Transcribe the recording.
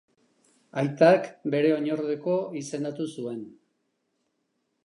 Aitak bere oinordeko izendatu zuen.